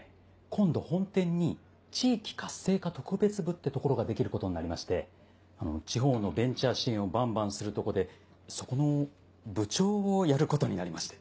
今度本店に地域活性化特別部ってところができることになりまして地方のベンチャー支援をバンバンするとこでそこの部長をやることになりまして。